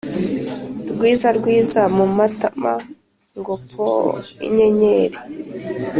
rwiza rwiza mumatama ngo pooooooo inyenyeri